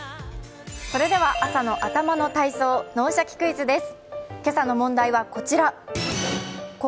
それでは朝の頭の体操、「脳シャキ！クイズ」です。